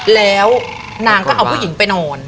แล้วนางก็เอาผู้หญิงไปนอน